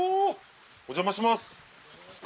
お邪魔します。